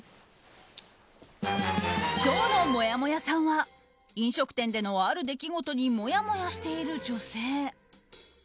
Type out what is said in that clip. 今日のもやもやさんは飲食店でのある出来事にもやもやしている女性。